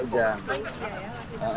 hujan juga disini gak apa apa